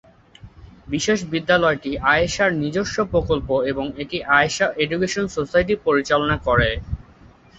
বিশেষ বিদ্যালয়টি আয়েশার নিজস্ব প্রকল্প এবং এটি আয়শা এডুকেশন সোসাইটি পরিচালনা করে।